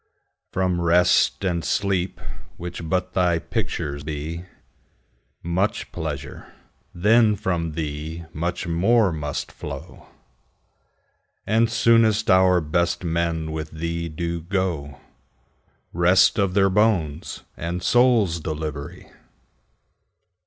From Rest and Sleep, which but thy picture be, 5 Much pleasure, then from thee much more must flow; And soonest our best men with thee do go— Rest of their bones and souls' delivery!